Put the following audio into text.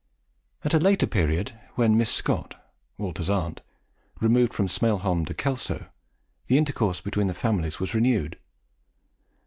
At a later period, when Miss Scott, Walter's aunt, removed from Smailholm to Kelso, the intercourse between the families was renewed.